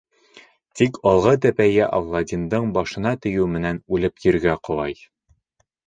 Тик алғы тәпәйе Аладдиндың башына тейеү менән үлеп ергә ҡолай.